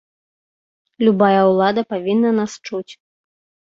Любая ўлада павінна нас чуць.